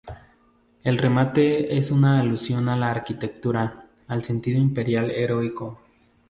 El remate es una alusión a la arquitectura, al sentido imperial heroico.